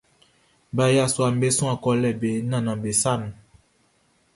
Ba yasuaʼm be suan kolɛ be nannanʼm be sa nun.